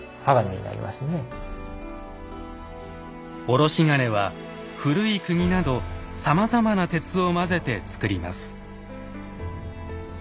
卸鉄は古いくぎなどさまざまな鉄を混ぜてつくります。